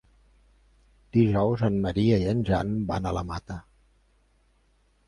Dijous en Maria i en Jan van a la Mata.